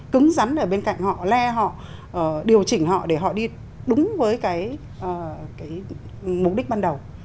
cứng rắn ở bên cạnh họ le họ điều chỉnh họ để họ đi đúng với cái mục đích ban đầu